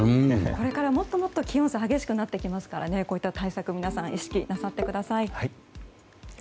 これからもっともっと気温差が激しくなってくるのでこういった対策、皆さん意識なさってください。